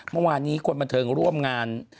เมื่อวานนี้คนบันเทิงร่วมงาน